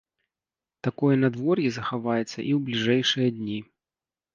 Такое надвор'е захаваецца і ў бліжэйшыя дні.